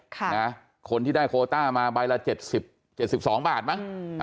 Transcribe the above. ค่ะนะฮะคนที่ได้โคต้ามาใบละเจ็ดสิบเจ็ดสิบสองบาทมั้งอืม